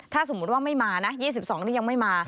ถ้าสมมุติว่าไม่มานะ๒๒นี่ยังไม่มา